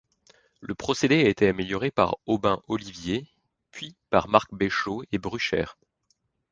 Le procédé a été amélioré par Aubin Olivier puis par Marc Béchot et Brucher.